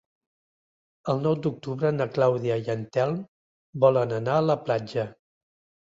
El nou d'octubre na Clàudia i en Telm volen anar a la platja.